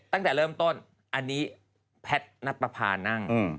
ตั้งแต่เริ่มต้นอันนี้แพทย์นับประพานั่ง